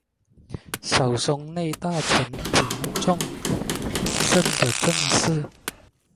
小松内大臣平重盛的正室。